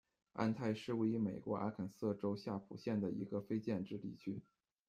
安泰是位于美国阿肯色州夏普县的一个非建制地区。